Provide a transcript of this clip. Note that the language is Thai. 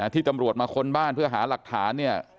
ที่ตำรวจมาค้นบ้านเพื่อหาหลักฐานเนี่ย